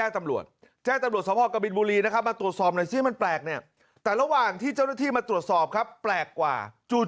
ตัวแตกแล้วมันตรวจสอบครับแปลกกว่า